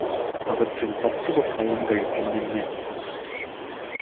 அவற்றின் தத்துவப் பயன்கள் என்னென்ன?